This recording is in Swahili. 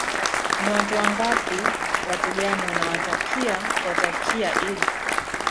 ni watu wangapi watu gani unawatakia kuwatakia idd